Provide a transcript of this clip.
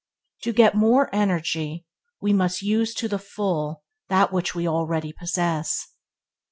To get more energy we must use to the full that which we already possess.